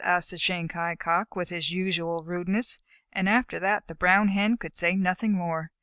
asked the Shanghai Cock, with his usual rudeness, and after that the Brown Hen could say nothing more.